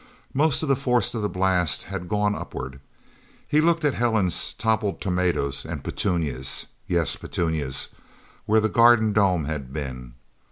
Most of the force of the blast had gone upward. He looked at Helen's toppled tomatoes and petunias yes, petunias where the garden dome had been.